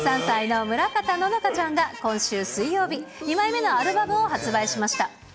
３歳の村方乃々佳ちゃんが今週水曜日、２枚目のアルバムを発売しました。